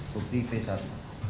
sembilan puluh tujuh bukti pesat